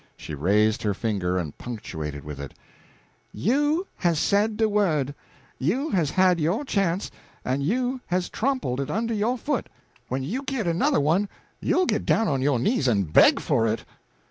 She raised her finger and punctuated with it: "You has said de word. You has had yo' chance, en you has trompled it under yo' foot. When you git another one, you'll git down on yo' knees en beg for it!"